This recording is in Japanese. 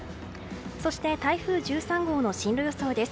そして台風１３号の進路予想です。